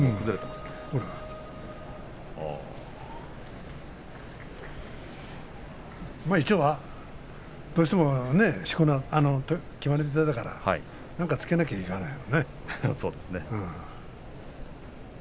まあ一応どうしても決まり手だから何かつけなきゃいけないけどね。